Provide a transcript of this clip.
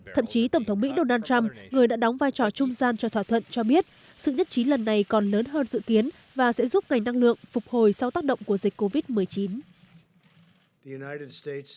thậm chí tổng thống mỹ donald trump người đã đóng vai trò trung gian cho thỏa thuận cho biết sự nhất trí lần này còn lớn hơn dự kiến và sẽ giúp ngành năng lượng phục hồi sau tác động của dịch covid một mươi chín